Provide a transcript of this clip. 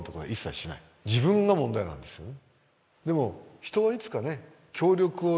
自分が問題なんですよね。